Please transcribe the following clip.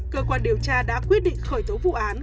cơ quan điều tra đã quyết định khởi tố vụ án